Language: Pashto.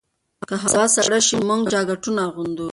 که هوا سړه شي، موږ جاکټونه اغوندو.